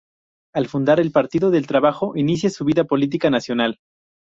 Al fundar el Partido del Trabajo inicia su vida política nacional.